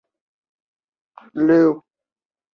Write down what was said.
后来司马昭以罪诛杀成济一族。